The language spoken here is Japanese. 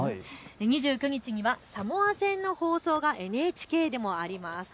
２９日にはサモア戦の放送がＮＨＫでもあります。